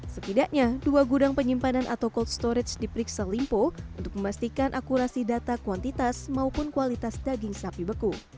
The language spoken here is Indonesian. setidaknya dua gudang penyimpanan atau cold storage diperiksa limpo untuk memastikan akurasi data kuantitas maupun kualitas daging sapi beku